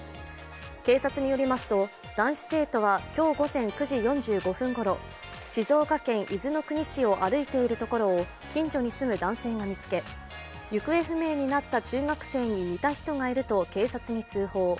警察によりますと、男子生徒は今日午前９時４５分ごろ静岡県伊豆の国市を歩いているところを近所に住む男性が見つけ行方不明になった中学生に似た人がいると警察に通報。